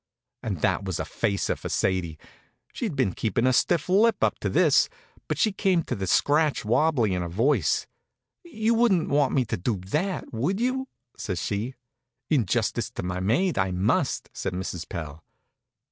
And that was a facer for Sadie. She'd been keeping a stiff lip up to this, but she came to the scratch wabbly in her voice. "You wouldn't want me to do that, would you?" says she. "In justice to my maid, I must," says Mrs. Pell.